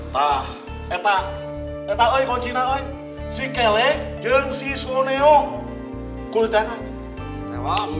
pak kita kita ini si kelek dan si soneo kulit tangan